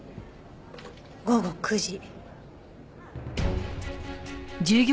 午後９時。